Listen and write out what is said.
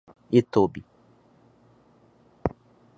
Itobi